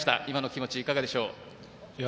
今の気持ち、いかがでしょう？